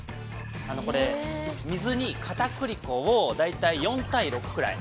これ、水にかたくり粉を大体４対６くらい。